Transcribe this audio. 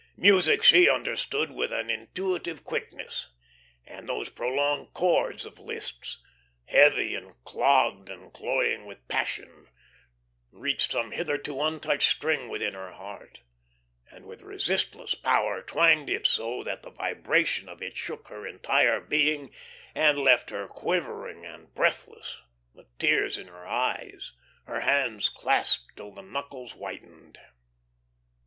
Music she understood with an intuitive quickness; and those prolonged chords of Liszt's, heavy and clogged and cloyed with passion, reached some hitherto untouched string within her heart, and with resistless power twanged it so that the vibration of it shook her entire being, and left her quivering and breathless, the tears in her eyes, her hands clasped till the knuckles whitened.